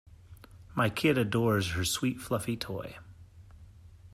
My kid adores her sweet fluffy toy.